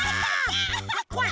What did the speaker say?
こわい